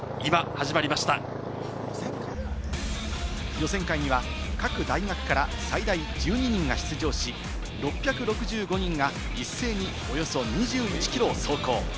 予選会には各大学から最大１２人が出場し、６６５人が一斉におよそ２１ｋｍを走行。